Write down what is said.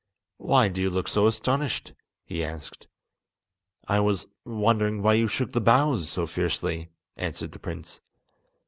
"Why do you look so astonished?" he asked. "I was wondering why you shook the boughs so fiercely," answered the prince.